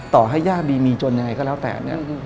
ต่อให้ยากดีมีจนยังไงก็แล้วแต่